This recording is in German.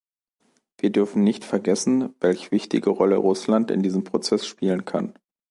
Wir dürfen nicht vergessen, welch wichtige Rolle Russland in diesem Prozess spielen kann.